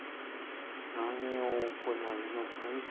「南洋古材の再生